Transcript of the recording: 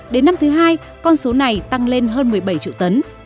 đến năm thứ hai con số này tăng lên hơn một mươi bảy triệu tấn